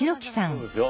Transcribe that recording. そうですよ。